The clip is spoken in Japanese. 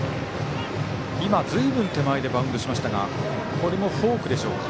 ずいぶん手前でバウンドしましたがこれもフォークでしょうか。